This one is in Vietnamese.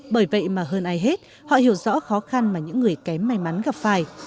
bởi vậy mà hơn ai hết họ hiểu rõ khó khăn mà những người kém may mắn gặp phải